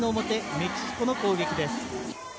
メキシコの攻撃です。